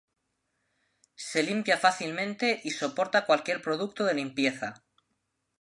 Se limpia fácilmente y soporta cualquier producto de limpieza.